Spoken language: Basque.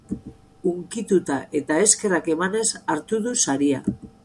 Hunkituta eta eskerrak emanez hartu du saria.